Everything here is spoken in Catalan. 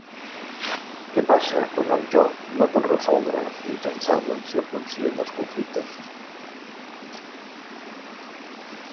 Què passa quan el jo no pot resoldre mitjançant l'acció conscient els conflictes?